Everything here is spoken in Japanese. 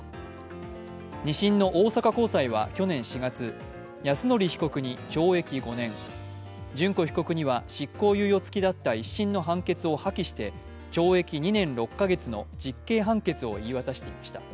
２審の大阪高裁は去年４月、泰典被告に懲役５年、諄子被告には執行猶予付きだった１審の判決を破棄して懲役２年６か月の実刑判決を言い渡していました。